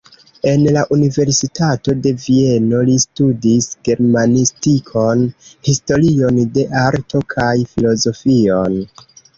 En la universitato de Vieno li studis germanistikon, historion de arto kaj filozofion.